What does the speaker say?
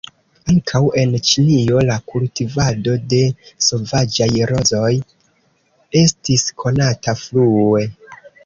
Ankaŭ en Ĉinio la kultivado de sovaĝaj rozoj estis konata frue.